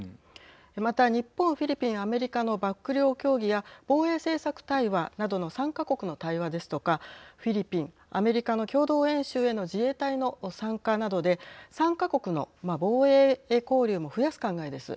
また日本、フィリピンアメリカの幕僚協議や防衛政策対話などの３か国の対話ですとかフィリピン・アメリカの共同演習への自衛隊の参加などで３か国の防衛交流も増やす考えです。